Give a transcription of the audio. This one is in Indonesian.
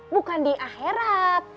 bukan di akhirat